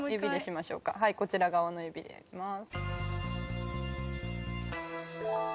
はいこちら側の指でいきます。